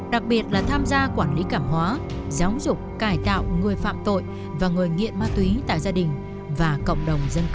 đặc biệt là tham gia quản lý cảm hóa giáo dục cải tạo người phạm tội và người nghiện ma túy tại gia đình và cộng đồng dân cư